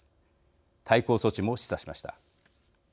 対抗措置も示唆しました。